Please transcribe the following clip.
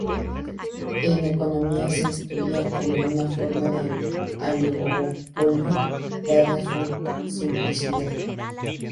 En economía se estudia como una forma de oligopolio dada su simplicidad.